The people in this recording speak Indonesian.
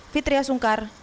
fitria sungkar cina